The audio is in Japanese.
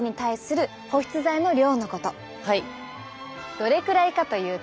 どれくらいかというと。